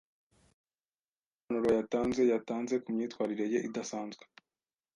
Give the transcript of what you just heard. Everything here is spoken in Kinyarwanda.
Nta bisobanuro yatanze yatanze ku myitwarire ye idasanzwe.